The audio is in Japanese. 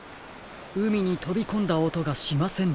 うみにとびこんだおとがしませんでしたね。